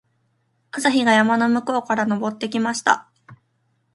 朝日が山の向こうから昇ってきました。